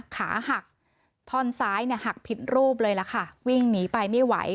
ขาหักท่อนซ้ายเนี่ยหักผิดรูปเลยล่ะค่ะวิ่งหนีไปไม่ไหว